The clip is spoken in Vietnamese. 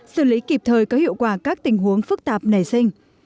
xử lý kịp thời có hiệu quả các tình huống phức tạp nảy sinh